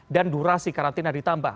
dan durasi karantina ditambah